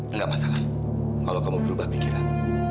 enggak masalah kalau kamu berubah pikiran